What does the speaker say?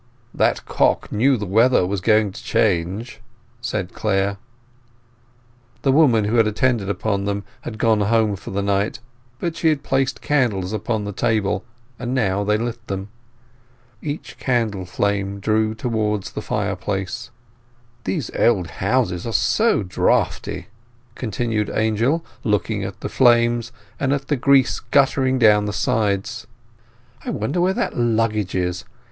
"That cock knew the weather was going to change," said Clare. The woman who had attended upon them had gone home for the night, but she had placed candles upon the table, and now they lit them. Each candle flame drew towards the fireplace. "These old houses are so draughty," continued Angel, looking at the flames, and at the grease guttering down the sides. "I wonder where that luggage is.